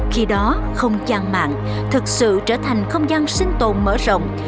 khi đó không trang mạng thực sự trở thành không gian sinh tồn mở rộng